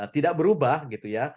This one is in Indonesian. tidak berubah gitu ya